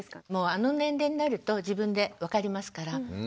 あの年齢になると自分で分かりますから。